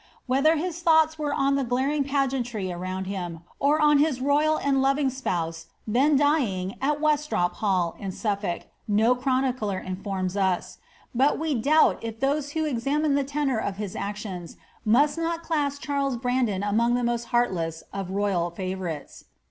'' Whether his thoughts were on the glaring pageantry iround him, or on his royal and loving spouse then dying at Westropp Hill in Sufl^lk, no chronicler informs us ; but we doubt if those who enmine the tenor of his actions must not class Charles Brandon among the most heartless of court favourites.